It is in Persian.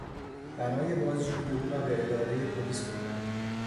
برای بازجویی او را به اداره پلیس بردند.